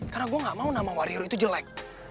karena gue gak mau nama wario itu jelek